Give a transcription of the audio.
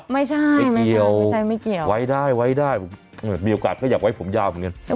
ไม่ใช่ไม่เกี่ยวไว้ได้มีโอกาสก็อยากไว้ผมยาเหมือนกัน